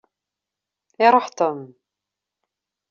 Iruḥ Tom.